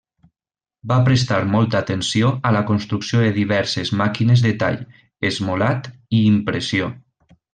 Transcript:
Va prestar molta atenció a la construcció de diverses màquines de tall, esmolat i impressió.